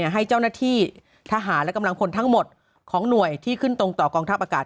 ให้เจ้าหน้าที่ทหารและกำลังพลทั้งหมดของหน่วยที่ขึ้นตรงต่อกองทัพอากาศ